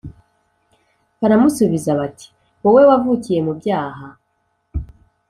Baramusubiza bati wowe wavukiye mu byaha